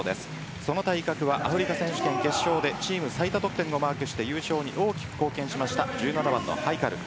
その対角はアフリカ選手権決勝でチーム最多得点をマークして優勝に大きく貢献した１７番のハイカル。